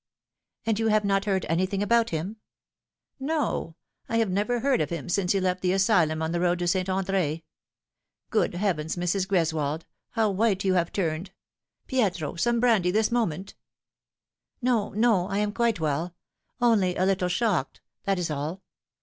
" And you have not heard anything about him ?"" No, I have never heard of him since he left the asylum on the road to St. Andr6. Good heavens, Mrs. Greswold, how white you have turned ! Pietro, some brandy this moment "" No, no ; I am quite well only a little shocked, that ia all.